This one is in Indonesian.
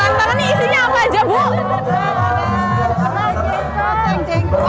rantangan rantangan rantangan rantangan rantangan